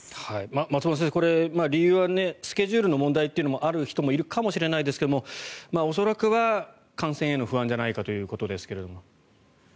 松本先生、これは理由はスケジュールの問題というのもある人もいるかもしれないですが恐らくは感染への不安じゃないかということですが。